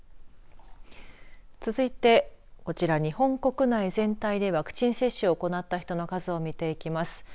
続いて、こちら日本国内全体でワクチン接種を行った人の数を見ていきます。